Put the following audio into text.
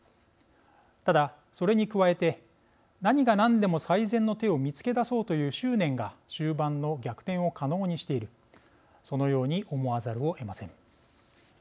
ただ、それに加えて何が何でも最善の手を見つけ出そうという執念が、終盤の逆転を可能にしているそのように思わざるをえません。